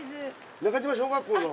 「中島小学校」の。